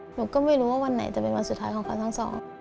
หนูก็ไม่รู้ว่าวันไหนจะเป็นวันสุดท้ายของเขาทั้งสอง